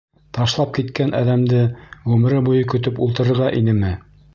Ташлап киткән әҙәмде ғүмере буйы көтөп ултырырға инеме?